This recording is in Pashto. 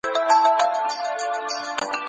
د نظام په وړاندې عدالت غوره دی.